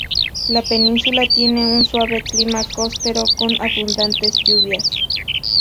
La península tiene un suave clima costero, con abundantes lluvias.